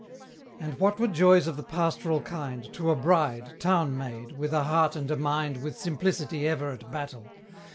And what were joys of the pastoral kind To a Bride town made with a heart and a mind With simplicity ever at battle?